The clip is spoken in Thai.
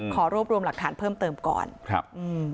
ขอรวบรวมหลักฐานเพิ่มเติมก่อนครับอืม